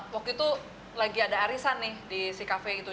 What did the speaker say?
waktu itu lagi ada arisan nih di si kafe gitu